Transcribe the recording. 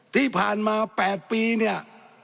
ที่ผ่านมา๘ปีเนี่ย